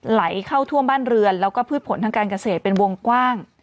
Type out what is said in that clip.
ไหลเข้าท่วมบ้านเรือนแล้วก็พืชผลทางการเกษตรเป็นวงกว้าง